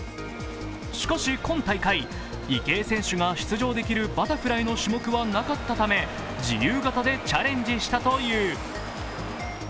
しかし、今大会池江選手が出場できるバタフライの種目はなかったため自由形でチャレンジしたという。